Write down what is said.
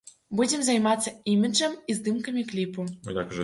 Будзем займацца іміджам і здымкамі кліпу.